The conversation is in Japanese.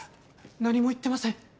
何も言ってません。